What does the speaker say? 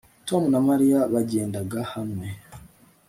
Tom na Mariya bagendaga hamwe